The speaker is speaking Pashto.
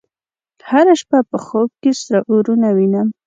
هره شپه په خوب کې سره اورونه وینم